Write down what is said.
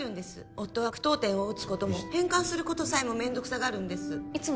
夫は句読点を打つことも変換することさえも面倒くさがるんですいつも